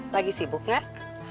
lagi sibuk gak